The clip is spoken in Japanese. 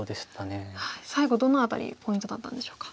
最後どの辺りポイントだったんでしょうか。